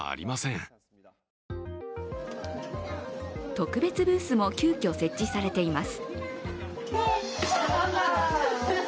特別ブースも急きょ設置されています。